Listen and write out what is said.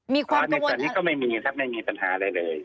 มีความกระวนอ๋อในสักนี้ก็ไม่มีครับไม่มีปัญหาอะไรเลย